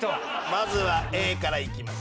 まずはＡからいきます。